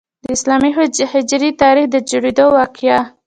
د اسلامي هجري تاریخ د جوړیدو واقعه.